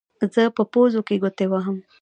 زه په پوزو کې ګوتې وهم.